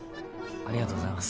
ありがとうございます。